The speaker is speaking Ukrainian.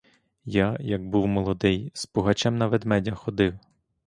Я, як був молодий, з пугачем на ведмедя ходив.